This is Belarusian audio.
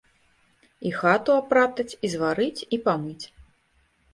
І хату апратаць, і зварыць, і памыць.